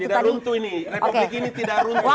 tidak runtuh ini republik ini tidak runtuh